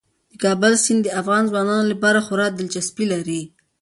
د کابل سیند د افغان ځوانانو لپاره خورا دلچسپي لري.